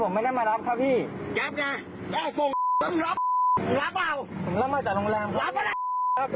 ไม่เคยมาสามารถเลยครับพี่